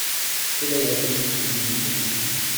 Telle est l’analyse que nous défendons.